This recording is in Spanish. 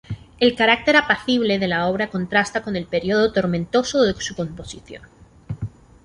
El carácter apacible de la obra contrasta con el período tormentoso de su composición.